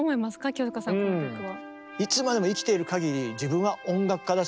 清塚さんこの曲は。